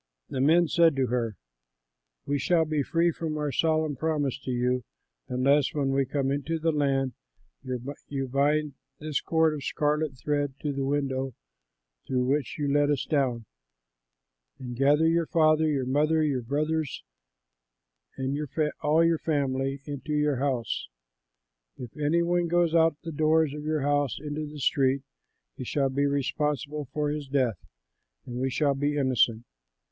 The men said to her, "We shall be free from our solemn promise to you, unless, when we come into the land, you bind this cord of scarlet thread in the window through which you let us down and gather your father, your mother, your brothers, and all your family into your house. If any one goes out of the doors of your house into the street, he shall be responsible for his death and we shall be innocent.